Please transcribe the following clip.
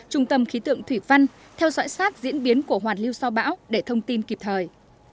trung tâm khí tượng thủy văn theo dõi sát diễn biến của hoàn lưu sau bão để thông tin kịp thời